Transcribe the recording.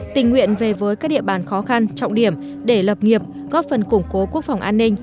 tình nguyện về với các địa bàn khó khăn trọng điểm để lập nghiệp góp phần củng cố quốc phòng an ninh